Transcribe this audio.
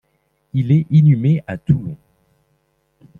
Il est inhumé à Toulon.